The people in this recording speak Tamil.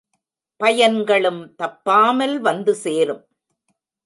பயன் களும் தப்பாமல் வந்து சேரும்.